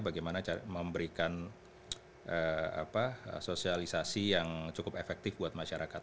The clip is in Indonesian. bagaimana memberikan sosialisasi yang cukup efektif buat masyarakat